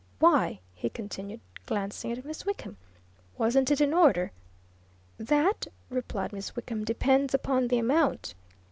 "Why?" he continued, glancing at Miss Wickham, "wasn't it in order?" "That," replied Miss Wickham, "depends upon the amount."